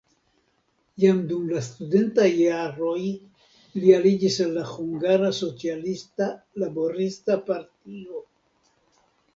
Jam dum la studentaj jaroj li aliĝis al la Hungara Socialista Laborista Partio.